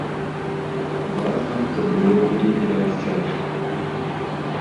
Важна, каб было куды пераязджаць.